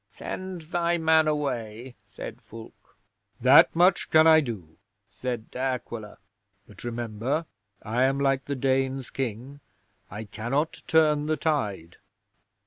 '"Send thy man away," said Fulke. '"That much can I do," said De Aquila. "But, remember, I am like the Danes' King; I cannot turn the tide."